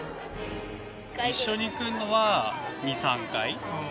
一緒に来るのは２、３回。